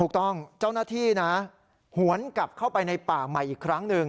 เจ้าหน้าที่นะหวนกลับเข้าไปในป่าใหม่อีกครั้งหนึ่ง